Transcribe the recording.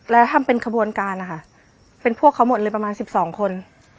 แล้วทำเป็นขบวนการนะคะเป็นพวกเขาหมดเลยประมาณ๑๒คน